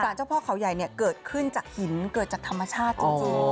เจ้าพ่อเขาใหญ่เนี่ยเกิดขึ้นจากหินเกิดจากธรรมชาติจริง